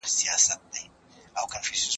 پخوا د ټولنيزو محصولاتو کچه ډېره ټيټه وه.